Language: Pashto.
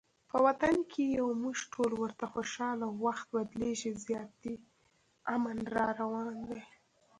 په وطن کې یو مونږ ټول ورته خوشحاله، وخت بدلیږي زیاتي امن راروان دی